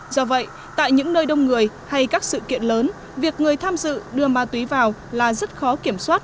do vậy tại những nơi đông người hay các sự kiện lớn việc người tham dự đưa ma túy vào là rất khó kiểm soát